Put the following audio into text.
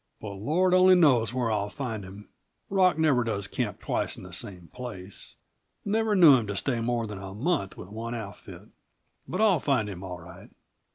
"But Lord only knows where I'll find him; Rock never does camp twice in the same place. Never knew him to stay more than a month with one outfit. But I'll find him, all right!"